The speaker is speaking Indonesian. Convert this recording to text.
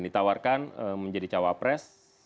ditawarkan menjadi cawapres